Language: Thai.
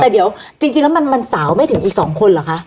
แต่เดี๋ยวจริงแล้วมันสาวไม่ถึงอีก๒คนเหรอคะ